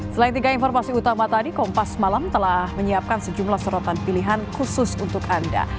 selain tiga informasi utama tadi kompas malam telah menyiapkan sejumlah serotan pilihan khusus untuk anda